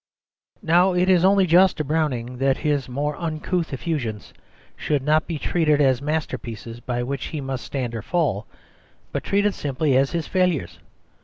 Now it is only just to Browning that his more uncouth effusions should not be treated as masterpieces by which he must stand or fall, but treated simply as his failures.